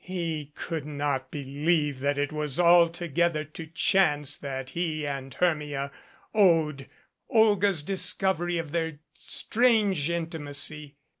He could not believe that it was altogether to chance that he and Hermia owed Olga's discovery of 255 MADCAP their strange intimacy.